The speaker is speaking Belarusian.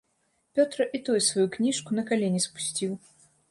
Пётра і той сваю кніжку на калені спусціў.